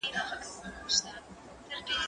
ته ولي موټر کاروې